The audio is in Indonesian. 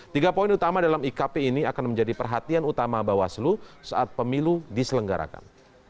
tiga poin utama dalam ikp ini akan menjadi perhatian utama bawaslu saat pemilu diselenggarakan